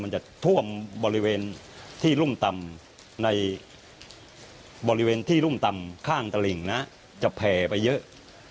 มันจะท่วมบริเวณที่รุ่มต่ำในบริเวณที่รุ่มต่ำข้างตลิ่งนะจะแผ่ไปเยอะ